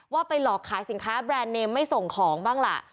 ว่าไปหลอกขายสินค้าแบรนด์เนมไม่ส่งของบ้างล่ะ